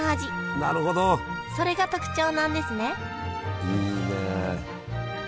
それが特徴なんですねいいね。